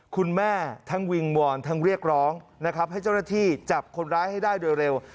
คุณแม่ทั้งวิงวอนทั้งเรียกร้องนะครับให้เจ้าหน้าที่จับคนร้ายให้ได้โดยเร็ว